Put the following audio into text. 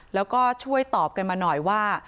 แล้วก็ช่วยตอบกันมาหน่อยว่า